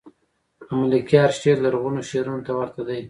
دملکیار شعر لرغونو شعرونو ته ورته دﺉ.